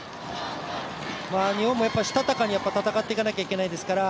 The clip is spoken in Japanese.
日本もしたたかに戦っていかなきゃいけないですから、